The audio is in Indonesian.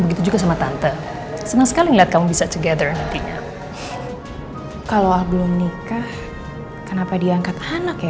begitu juga sama tante senang sekali lihat kamu bisa together nantinya kalau belum nikah kenapa diangkat anak ya